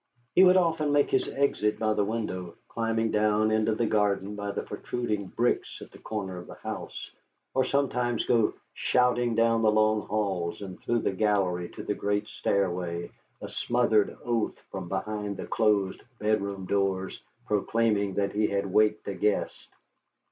He would often make his exit by the window, climbing down into the garden by the protruding bricks at the corner of the house; or sometimes go shouting down the long halls and through the gallery to the great stairway, a smothered oath from behind the closed bedroom doors proclaiming that he had waked a guest.